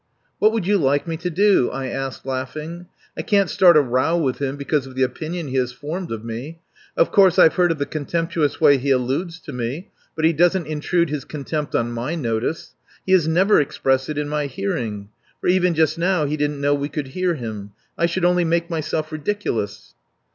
"What would you like me to do?" I asked, laughing. "I can't start a row with him because of the opinion he has formed of me. Of course, I've heard of the contemptuous way he alludes to me. But he doesn't intrude his contempt on my notice. He has never expressed it in my hearing. For even just now he didn't know we could hear him. I should only make myself ridiculous."